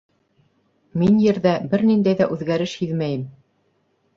Мин Ерҙә бер ниндәй ҙә үҙгәреш һиҙмәйем!